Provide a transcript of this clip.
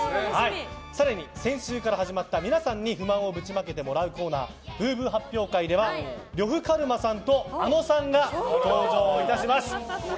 更に、先週から始まった皆さんに不満をぶちまけてもらうコーナーぶうぶう発表会では呂布カルマさんとあのさんが登場いたします。